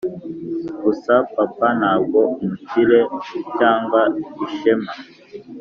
gusa papa, ntabwo umukire cyangwa ishema,